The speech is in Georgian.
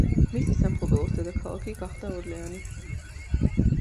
მისი სამფლობელოს დედაქალაქი გახდა ორლეანი.